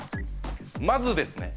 まずですね